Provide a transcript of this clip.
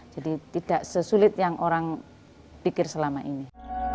jadi tidak sesulit yang orang pikir selama ini